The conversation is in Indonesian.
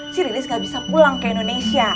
si lilis gak bisa pulang ke indonesia